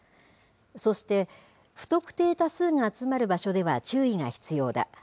そして、不特定多数が集まる場所では注意が必要だ。